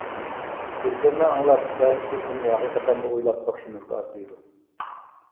سۆزلىرىنى ئاڭلاپ بەزى سۆزلىرىنى ھەقىقەتەنمۇ ئويلاپ بېقىشىمىزغا ئەرزىيدۇ.